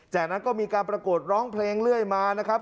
จากนั้นก็มีการประกวดร้องเพลงเรื่อยมานะครับ